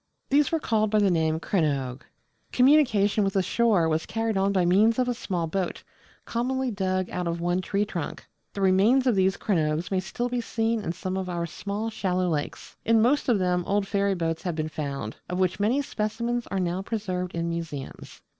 These were called by the name Crannoge. Communication with the shore was carried on by means of a small boat, commonly dug out of one tree trunk. The remains of these crannoges may still be seen in some of our small shallow lakes. In most of them old ferry boats have been found, of which many specimens are now preserved in museums.